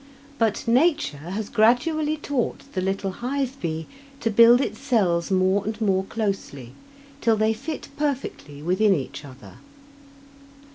But nature has gradually taught the little hive bee to build its cells more and more closely, till they fit perfectly within each other.